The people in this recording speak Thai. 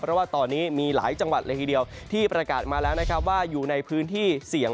เพราะว่าตอนนี้มีหลายจังหวัดเลยทีเดียวที่ประกาศมาแล้วนะครับว่าอยู่ในพื้นที่เสี่ยง